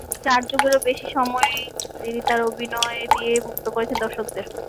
চার যুগেরও বেশি সময় তিনি তাঁর অভিনয় দিয়ে মুগ্ধ করেছেন দর্শকদের।